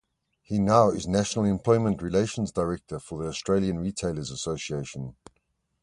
He now is National Employment Relations Director for the Australian Retailers Association.